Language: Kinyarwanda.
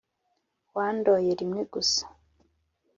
wandoye rimwe gusa,